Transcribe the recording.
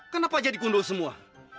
kenapa jadi kundol semua